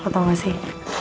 lo tau gak sih